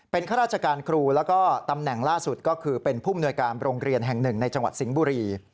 ข้าราชการครูแล้วก็ตำแหน่งล่าสุดก็คือเป็นผู้มนวยการโรงเรียนแห่งหนึ่งในจังหวัดสิงห์บุรี